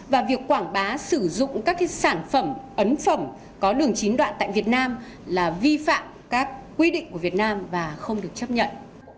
và việc quảng bá sử dụng các sản phẩm ấn phẩm có đường chín đoạn tại việt nam là vi phạm các quy định của việt nam và không được chấp nhận